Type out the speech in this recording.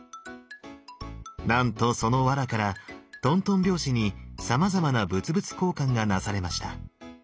なんとそのわらからとんとん拍子にさまざまな物々交換がなされました。